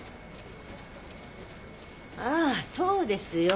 ああそうですよ。